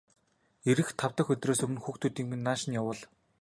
Ирэх тав дахь өдрөөс өмнө хүүхдүүдийг минь нааш нь явуул.